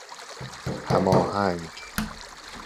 هم آهنگ